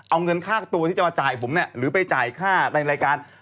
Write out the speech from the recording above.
เอาเงินค่าตัวที่จะมาจ่ายผมเนี่ยหรือไปจ่ายค่าในรายการ